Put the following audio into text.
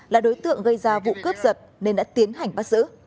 là đối tượng gây ra vụ cướp giật nên đã tiến hành bắt giữ